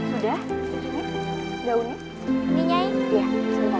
sudah daunya minyaknya